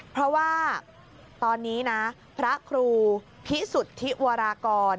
เพราะว่าตอนนี้นะพระครูพิสุทธิวรากร